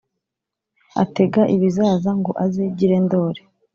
atega ibizaza ngo azigire ndoli